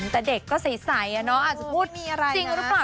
แต่เด็กก็สีใสนะอาจจะพูดจริงหรือเปล่า